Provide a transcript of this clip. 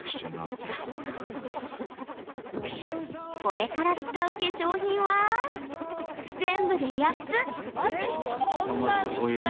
これから使う化粧品は全部で８つ。